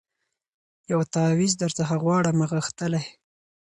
یو تعویذ درڅخه غواړمه غښتلی